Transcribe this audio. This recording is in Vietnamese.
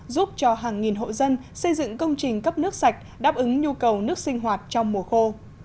giúp cho hàng nghìn hộ dân xây dựng công trình cấp nước sạch đáp ứng nhu cầu nước sinh hoạt trong mùa khô